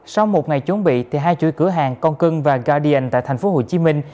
sau một ngày chuẩn bị hai chuỗi cửa hàng con cưng và gadian tại thành phố hồ chí minh